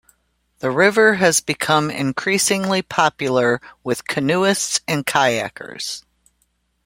The river has become increasingly popular with canoeists and kayakers.